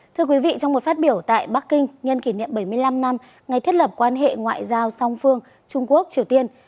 thưa quý vị trong một phát biểu tại bắc kinh nhân kỷ niệm bảy mươi năm năm ngày thiết lập quan hệ ngoại giao song phương trung quốc triều tiên